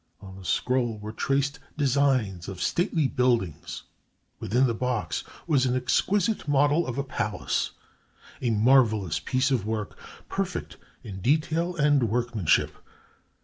On the scroll were traced designs of stately buildings. Within the box was an exquisite model of a palace, a marvelous piece of work, perfect in detail and workmanship.